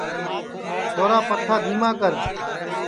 چھورا پکھا دھیما کر